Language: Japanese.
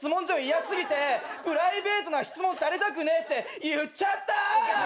攻め嫌過ぎてプライベートな質問されたくねえって言っちゃったぁ！